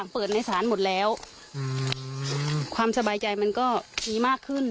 เปิดในศาลหมดแล้วความสบายใจมันก็มีมากขึ้น